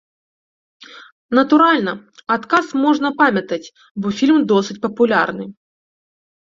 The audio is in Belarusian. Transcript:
Натуральна, адказ можна памятаць, бо фільм досыць папулярны.